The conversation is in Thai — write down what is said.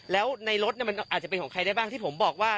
และในรถจะเป็นของใครได้บ้างถ้าผมบอกครับว่า